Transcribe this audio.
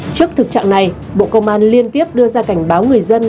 trước thực trạng này bộ công an liên tiếp đưa ra cảnh báo người dân